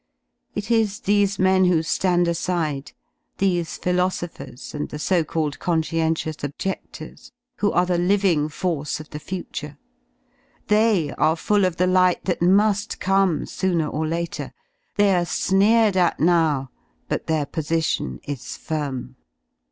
It is these men who ^and aside, these philosophers, and the so called conscientious objedlors, who are the . living force of the future; they are full of the light that i mu^ come sooner or later; they are sneered at now, but their position is firm.